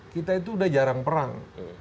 kita itu udah jarang perang